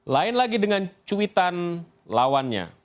lain lagi dengan cuitan lawannya